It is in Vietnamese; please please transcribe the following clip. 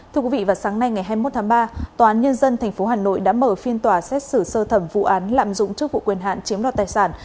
thưa quý vị vào sáng nay ngày hai mươi một tháng ba tòa án nhân dân tp hà nội đã mở phiên tòa xét xử sơ thẩm vụ án lạm dụng chức vụ quyền hạn chiếm đoạt tài sản